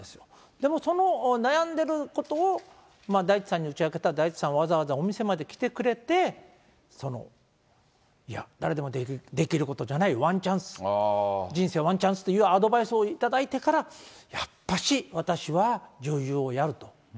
でもその悩んでることを大地さんに打ち明けたら、大地さんはわざわざお店まで来てくれて、いや、誰でもできることじゃない、ワンチャンス、人生ワンチャンスっていうアドバイスを頂いてから、やっぱし私は女優をやると。